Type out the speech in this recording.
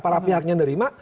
para pihaknya nerima